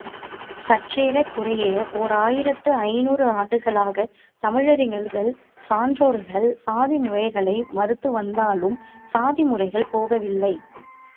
சற்றேறக் குறைய ஓர் ஆயிரத்து ஐநூறு ஆண்டுகளாகத் தமிழறிஞர்கள், சான்றோர்கள் சாதிமுறைகளை மறுத்து வந்தாலும் சாதி முறைகள் போகவில்லை.